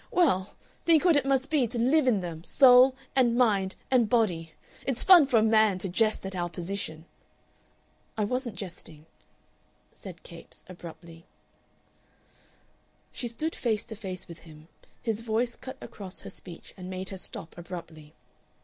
Well, think what it must be to live in them soul and mind and body! It's fun for a man to jest at our position." "I wasn't jesting," said Capes, abruptly. She stood face to face with him, and his voice cut across her speech and made her stop abruptly.